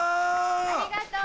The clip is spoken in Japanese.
・・ありがとう！